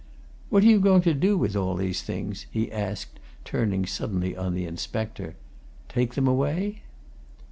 What are you going to do with all these things?" he asked, turning suddenly on the inspector. "Take them away?"